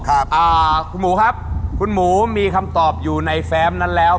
อ่าคุณหมูครับคุณหมูมีคำตอบอยู่ในแฟมนั้นแล้ว